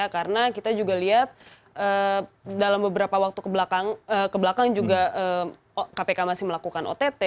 karena kita juga lihat dalam beberapa waktu kebelakang juga kpk masih melakukan ott